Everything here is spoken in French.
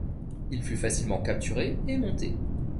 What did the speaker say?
Il fut facilement capturé et monté.